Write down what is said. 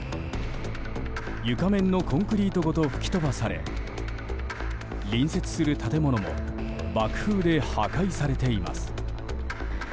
床面のコンクリートごと吹き飛ばされ隣接する建物も爆風で破壊されています。